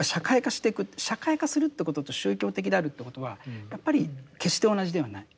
社会化するということと宗教的であるということはやっぱり決して同じではない。